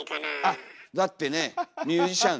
あっだってねミュージシャン。